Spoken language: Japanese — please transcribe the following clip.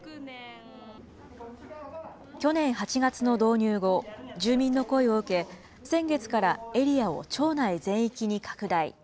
去年８月の導入後、住民の声を受け、先月からエリアを町内全域に拡大。